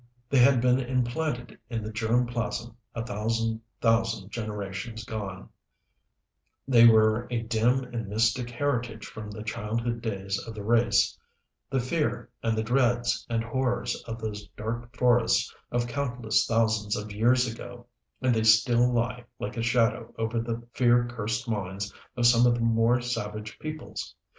They had been implanted in the germ plasm a thousand thousand generations gone, they were a dim and mystic heritage from the childhood days of the race, the fear and the dreads and horrors of those dark forests of countless thousands of years ago, and they still lie like a shadow over the fear cursed minds of some of the more savage peoples.